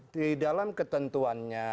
di dalam ketentuannya